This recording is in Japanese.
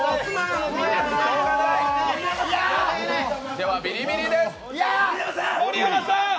ではビリビリです！